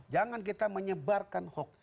jangan kita menyebarkan hoax